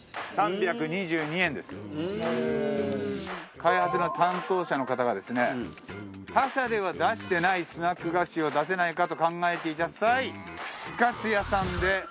開発の担当者の方がですね他社では出してないスナック菓子を出せないかと考えていた際串カツ屋さんで考案した商品です。